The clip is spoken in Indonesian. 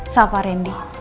sama pak randy